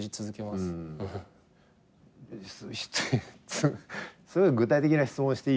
すごい具体的な質問していい？